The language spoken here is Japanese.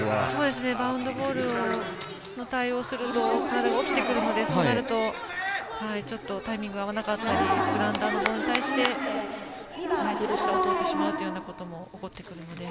バウンドボールの対応をすると体が起きてくるので、そうなるとちょっとタイミングが合わなかったりグラウンダーのボールで下を通ってしまうということも起こってくるので。